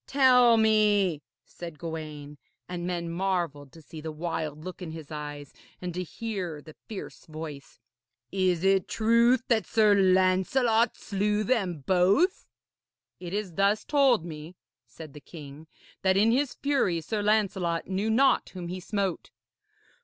'Tell me,' said Gawaine, and men marvelled to see the wild look in his eyes and to hear the fierce voice, 'is it truth that Sir Lancelot slew them both?' 'It is thus told me,' said the King, 'that in his fury Sir Lancelot knew not whom he smote.'